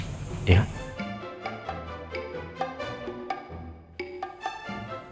jadi aku mau jemput